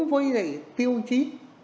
nói là tiêu chí